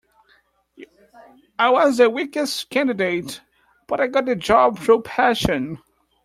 I was the weakest candidate, but I got the job through passion.